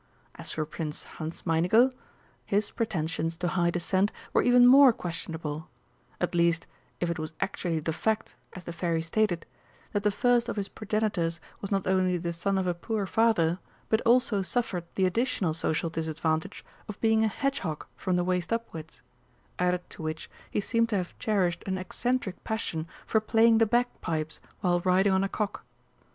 As for Prince Hansmeinigel, his pretensions to high descent were even more questionable at least, if it was actually the fact, as the Fairy stated, that the first of his progenitors was not only the son of a poor father, but also suffered the additional social disadvantage of being a hedgehog from the waist upwards; added to which he seemed to have cherished an eccentric passion for playing the bagpipes while riding on a cock.